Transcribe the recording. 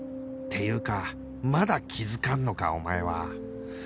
っていうかまだ気づかんのかお前は！